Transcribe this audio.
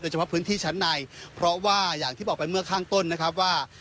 เฉพาะพื้นที่ชั้นในเพราะว่าอย่างที่บอกไปเมื่อข้างต้นนะครับว่า